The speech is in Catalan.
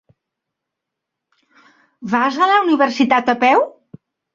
Vas a la universitat a peu?